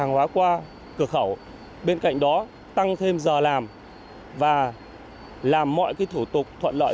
hàng hóa qua cửa khẩu bên cạnh đó tăng thêm giờ làm và làm mọi thủ tục thuận lợi